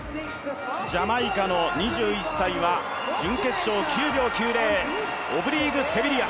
ジャマイカの２１歳は準決勝、９秒９０、オブリーク・セビリア。